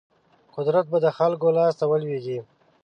قدرت به د خلکو لاس ته ولویږي.